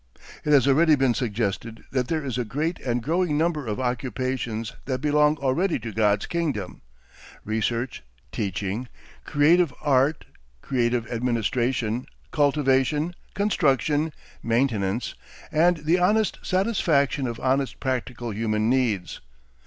It has already been suggested that there is a great and growing number of occupations that belong already to God's kingdom, research, teaching, creative art, creative administration, cultivation, construction, maintenance, and the honest satisfaction of honest practical human needs.